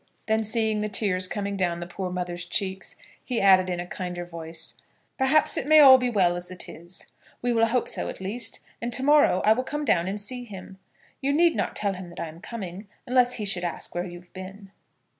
Then, seeing the tears coming down the poor mother's cheeks, he added in a kinder voice, "Perhaps it may be all well as it is. We will hope so at least, and to morrow I will come down and see him. You need not tell him that I am coming, unless he should ask where you have been."